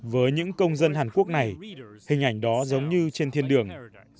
với những công dân hàn quốc này hình ảnh đó giống như trên thiên đường